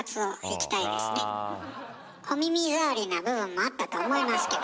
お耳障りな部分もあったと思いますけど。